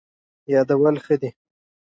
یادول ښه دی.